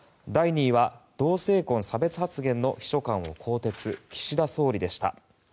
同性婚差別発言の秘書官を更迭岸田総理でした。